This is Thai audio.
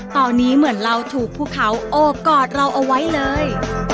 ตอนนี้เหมือนเราถูกภูเขาโอบกอดเราเอาไว้เลย